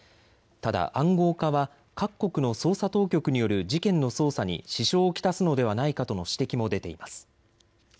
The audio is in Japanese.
ただ、暗号化は各国の捜査当局による事件の捜査に支障を来すのではないかとの指摘も出ています。